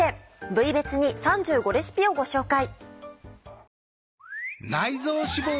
部位別に３５レシピをご紹介。